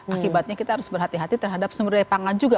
akibatnya kita harus berhati hati terhadap sumber daya pangan juga